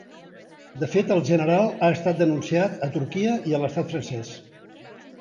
De fet, el general ha estat denunciat a Turquia i a l’estat francès.